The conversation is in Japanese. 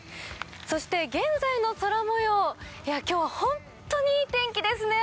そして現在の空もよう、今日は本当にいい天気ですね。